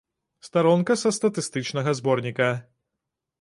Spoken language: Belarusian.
Старонка са статыстычнага зборніка.